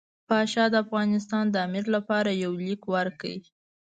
پاشا د افغانستان د امیر لپاره یو لیک ورکړ.